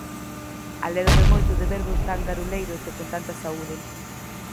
Alédome moito de vervos tan garuleiros e con tanta saúde.